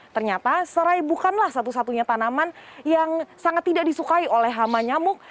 ternyata serai bukanlah satu satunya tanaman yang sangat tidak disukai oleh hama nyamuk